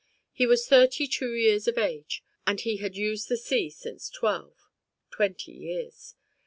He was thirty two years of age and he had used the sea since twelve twenty years.